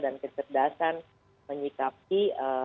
dan kecerdasan menyikapi